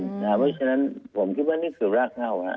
เพราะฉะนั้นผมคิดว่านี่คือรากเง่า